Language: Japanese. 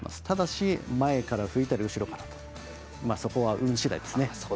ただし、前から吹いたり後ろからとそこは運しだいですね。